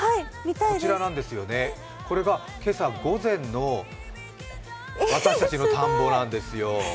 こちらなんですよね、これが今朝午前の私たちの田んぼなんですよ。